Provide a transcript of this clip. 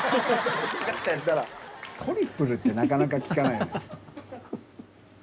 トリプルってなかなか聞かないよね。